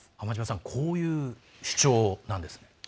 こういう主張なんですね。